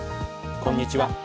こんにちは。